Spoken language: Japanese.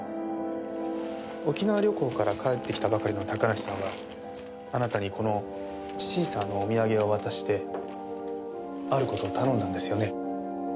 沖縄旅行から帰ってきたばかりの高梨さんはあなたにこのシーサーのお土産を渡してある事を頼んだんですよね？